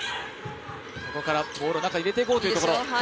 ここからボールを中に入れていこうというところ。